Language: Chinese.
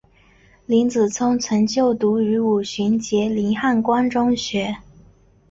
林子聪曾就读五旬节林汉光中学。